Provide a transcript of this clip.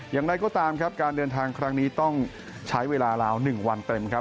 อย่างไรก็ตามครับการเดินทางครั้งนี้ต้องใช้เวลาราว๑วันเต็มครับ